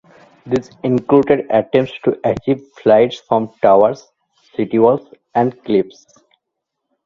These included attempts to achieve flight from towers, city walls and cliffs.